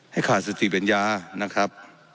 ให้ขาดสติเป็นยานะครับ